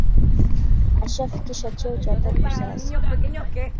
Ashafikisha cheo cha tatu sasa